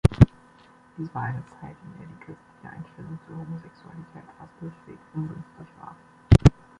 Dies war eine Zeit, in der die christliche Einstellung zur Homosexualität fast durchweg ungünstig war.